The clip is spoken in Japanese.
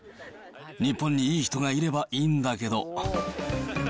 日本にいい人がいればいいんだけど。